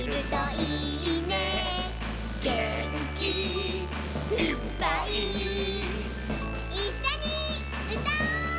「げんきいっぱい」「いっしょにうたおう！」